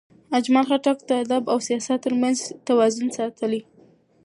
اجمل خټک د ادب او سیاست ترمنځ توازن ساتلی.